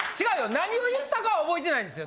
何を言ったかは覚えてないんですよ。